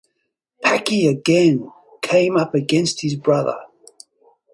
Paki again came up against his brother.